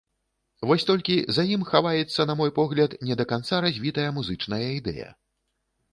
Вось толькі за ім хаваецца, на мой погляд, не да канца развітая музычная ідэя.